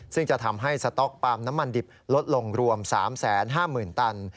ซึ่งจะทำให้สต๊อกปาล์มน้ำมันดิบลดลงรวม๓๕๐๐๐ตัน